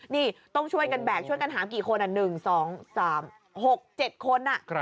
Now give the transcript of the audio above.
นี่ต้องช่วยกันแบกช่วยกันหากี่คน๑๒๓๖๗คน